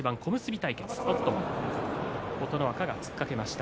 琴ノ若、突っかけました。